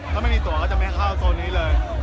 ถ้าไม่มีตัวก็จะไม่เข้าโซนนี้เลย